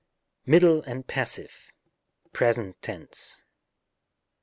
Middle and Passive. present tense.